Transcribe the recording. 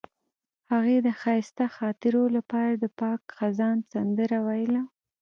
هغې د ښایسته خاطرو لپاره د پاک خزان سندره ویله.